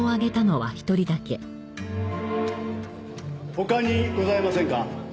他にございませんか？